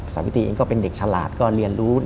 สาวิตรีเองก็เป็นเด็กฉลาดก็เรียนรู้